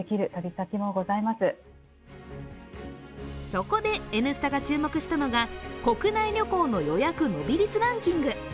そこで「Ｎスタ」が注目したのが、国内旅行の予約伸び率ランキング。